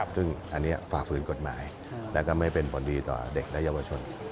ซึ่งอันนี้ฝ่าฝืนกฎหมายและก็ไม่เป็นผลดีต่อเด็กและเยาวชน